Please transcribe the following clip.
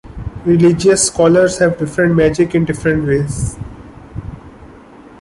Religious scholars have defined magic in different ways.